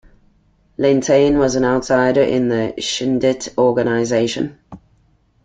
Lentaigne was an outsider in the Chindit organization.